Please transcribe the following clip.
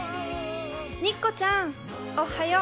肉子ちゃん、おはよう。